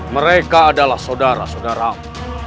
mereka adalah saudara saudaramu